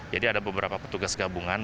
jadi ada beberapa petugas gabungan